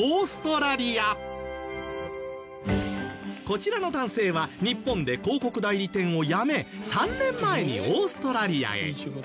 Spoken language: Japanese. こちらの男性は日本で広告代理店を辞め３年前にオーストラリアへ。